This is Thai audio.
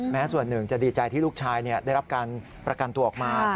ส่วนหนึ่งจะดีใจที่ลูกชายได้รับการประกันตัวออกมา